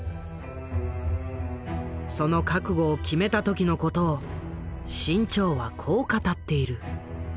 その覚悟を決めた時のことを志ん朝はこう語っている。